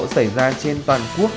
xảy ra trên toàn quốc